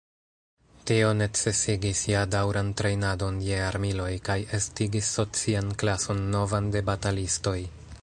Tio necesigis ja daŭran trejnadon je armiloj kaj estigis socian klason novan de batalistoj.